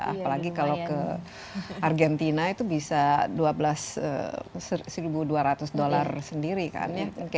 apalagi kalau ke argentina itu bisa dua belas dua belas dollar sendiri kan ya